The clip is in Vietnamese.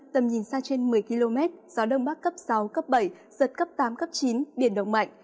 tầm nhìn xa trên một mươi km gió đông bắc cấp sáu cấp bảy giật cấp tám cấp chín biển động mạnh